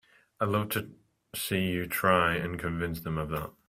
I'd love to see you try and convince them of that!